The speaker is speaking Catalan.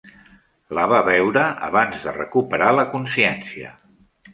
La va veure abans de recuperar la consciència.